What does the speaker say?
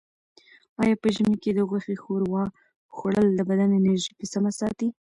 آیا په ژمي کې د غوښې ښوروا خوړل د بدن انرژي په سمه ساتي؟